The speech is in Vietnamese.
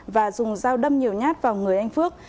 và dùng dao đâm nhiều nhát vào người anh phước